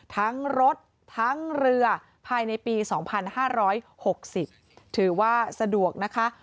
ทั้งรถทั้งเรือภายในปี๒๕๖๐ถือว่าสะดวกนะคะ